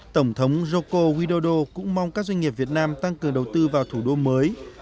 tổng thống joko widodo cũng mong các doanh nghiệp việt nam tăng cường đầu tư vào thủ đô mới